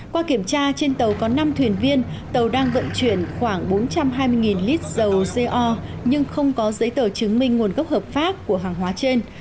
qua kiểm tra trên tàu có năm thuyền viên tàu đang vận chuyển khoảng bốn trăm hai mươi lít dầu co nhưng không có giấy tờ chứng minh nguồn gốc hợp pháp của hàng hóa trên